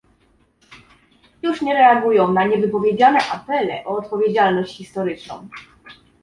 Już nie reagują na niewypowiedziane apele o odpowiedzialność historyczną